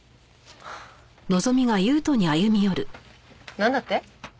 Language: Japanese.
なんだって？